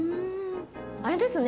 あれですね